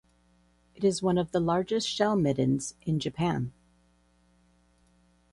It is one of the largest shell middens in Japan.